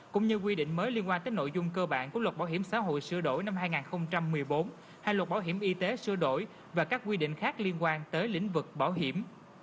cũng như quy định mới liên quan tới nội dung cơ bản của luật bảo hiểm xã hội sửa đổi năm hai nghìn một mươi bốn hay luật bảo hiểm y tế sửa đổi và các quy định khác liên quan tới lĩnh vực bảo hiểm